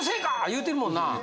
言うてるもんな